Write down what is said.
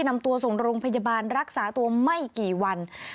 นำตัวส่งโรงพยาบาลรักษาตัวไม่กี่วัน